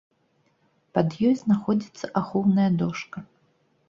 Пад ёй знаходзіцца ахоўная дошка.